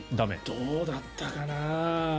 どうだったかな。